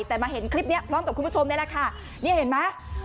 แต่มาเห็นคลิปนี้พร้อมกับคุณผู้ชมนี่แหละค่ะนี่เห็นไหม